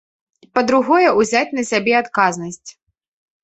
Па-другое, узяць на сябе адказнасць.